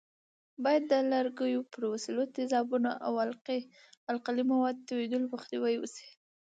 باید د لرګیو پر وسایلو د تیزابونو او القلي موادو توېدلو مخنیوی وشي.